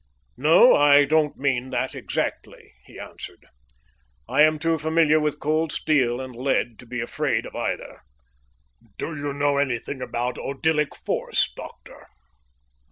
"No, I don't mean that exactly," he answered. "I am too familiar with cold steel and lead to be afraid of either. Do you know anything about odyllic force, doctor?"